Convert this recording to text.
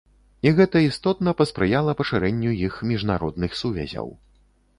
І гэта істотна паспрыяла пашырэнню іх міжнародных сувязяў.